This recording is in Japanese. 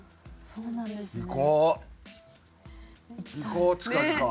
そうなんですね。